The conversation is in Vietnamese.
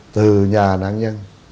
từ nhà nạn nhân